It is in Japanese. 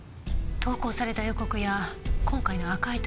投稿された予告や今回の赤い塗料。